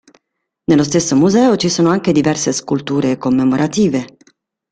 Nello stesso museo ci sono anche diverse sculture commemorative.